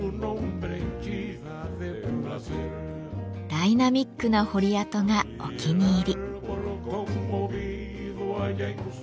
ダイナミックな彫り跡がお気に入り。